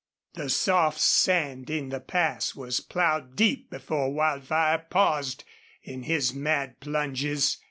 The soft sand in the pass was plowed deep before Wildfire paused in his mad plunges.